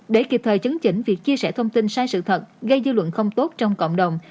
để kịp thời chấn chỉnh việc chia sẻ thông tin sai sự thật gây dư luận không tốt trong cộng đồng